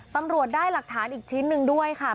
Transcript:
ตำรวจได้หลักฐานอีกชิ้นหนึ่งด้วยค่ะ